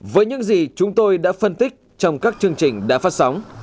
với những gì chúng tôi đã phân tích trong các chương trình đã phát sóng